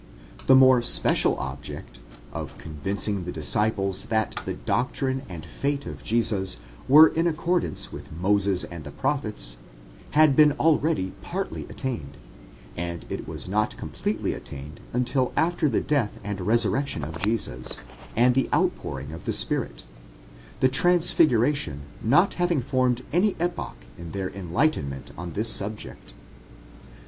The more special object, of convincing the disciples that the doctrine and fate of Jesus were in accordance with Moses and the prophets, had been already partly attained ; and it was not completely attained until after the death and resurrection of Jesus, and the outpouring of the Spirit: the transfiguration not having formed any epoch in their en lightenment on this subject.